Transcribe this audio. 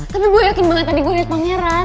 tapi gue yakin banget tadi gue liat pangeran